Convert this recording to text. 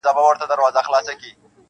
خو ځينې دودونه پاتې وي تل,